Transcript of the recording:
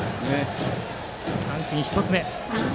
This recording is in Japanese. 三振１つ目。